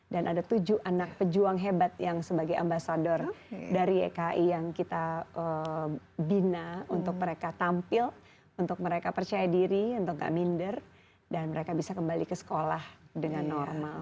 dan ada tujuh anak pejuang hebat yang sebagai ambasador dari yki yang kita bina untuk mereka tampil untuk mereka percaya diri untuk gak minder dan mereka bisa kembali ke sekolah dengan normal